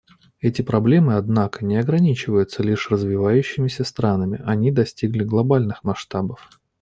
Эти проблемы, однако, не ограничиваются лишь развивающимися странами; они достигли глобальных масштабов.